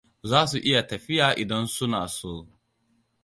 Za su iya tafiya idan suna so.